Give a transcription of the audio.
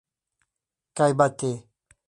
Caibaté